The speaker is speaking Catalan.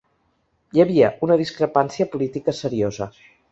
Hi havia una discrepància política seriosa.